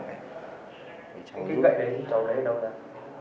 cái gậy đấy cháu lấy từ đâu ra